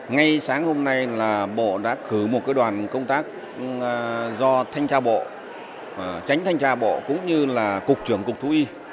ngay sáng hôm nay là bộ đã cử một đoàn công tác do thanh tra bộ tránh thanh tra bộ cũng như là cục trưởng cục thú y